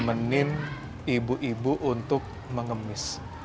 nemenin ibu ibu untuk mengemis